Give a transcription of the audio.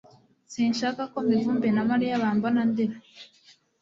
Sinshaka ko Mivumbi na Mariya bambona ndira